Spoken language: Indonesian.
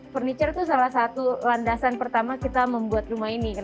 furniture itu salah satu landasan pertama kita membuat rumah ini kan